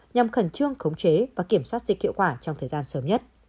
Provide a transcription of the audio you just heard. nhằm khẩn trương khống chế và kiểm soát dịch hiệu quả trong thời gian sớm nhất